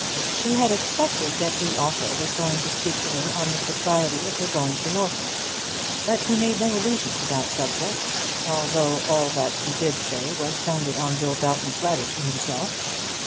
She had expected that he also was going to speak to her on the propriety of her going to Norfolk; but he made no allusion to that subject, although all that he did say was founded on Will Belton's letter to himself.